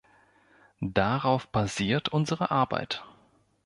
Darauf basiert unsere Arbeit.